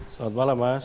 selamat malam mas